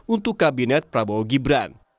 untuk kabinet prabowo gibran